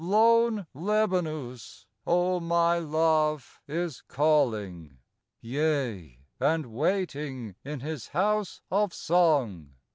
Lone Lebamts, O my Love, is calling, Yea, and waiting in his House of Song.